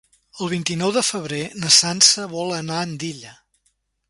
El vint-i-nou de febrer na Sança vol anar a Andilla.